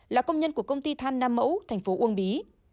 là công nhân của công ty than nam mẫu thành phố uông bí